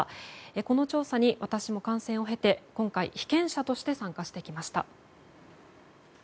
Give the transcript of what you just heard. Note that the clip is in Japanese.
この調査に私も感染を経て今回、被験者として参加してきました。